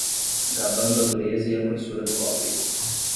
Gabando a dureza e a grossura do cobre